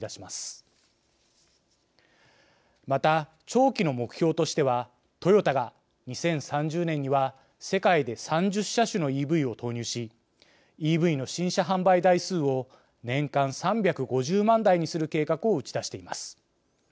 また、長期の目標としてはトヨタが２０３０年には世界で３０車種のＥＶを投入しＥＶの新車販売台数を年間３５０万台にする計画を打ち出しています。